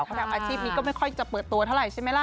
เขาทำอาชีพนี้ก็ไม่ค่อยจะเปิดตัวเท่าไหร่ใช่ไหมล่ะ